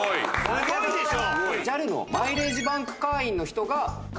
すごいでしょ！